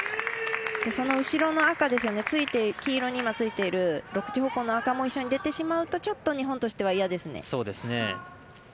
その後ろの赤黄色についている６時方向の赤も一緒に出てしまうとちょっと日本としては嫌ですね。